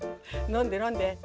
飲んで、飲んで。